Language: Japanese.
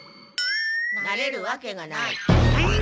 なれるわけがない。